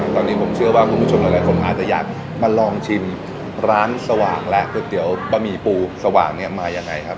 ตอนนี้ผมเชื่อว่าคุณผู้ชมหลายคนอาจจะอยากมาลองชิมร้านสว่างและก๋วยเตี๋ยวบะหมี่ปูสว่างเนี่ยมายังไงครับ